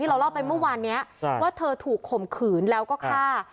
เราเล่าไปเมื่อวานนี้ว่าเธอถูกข่มขืนแล้วก็ฆ่า